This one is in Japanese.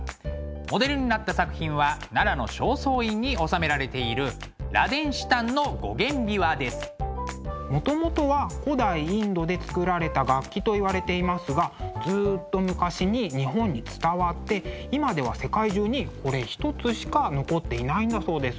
モデルになった作品は奈良の正倉院に収められているもともとは古代インドで作られた楽器といわれていますがずっと昔に日本に伝わって今では世界中にこれ一つしか残っていないんだそうです。